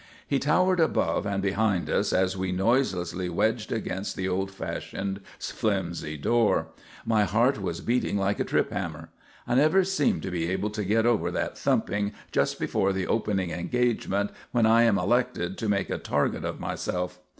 He towered above and behind us as we noiselessly wedged against the old fashioned, flimsy door. My heart was beating like a trip hammer. I never seem to be able to get over that thumping just before the opening engagement when I am elected to make a target of myself.